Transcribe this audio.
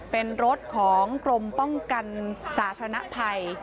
เป็นรถของกรมป้องกันสาธารณภัย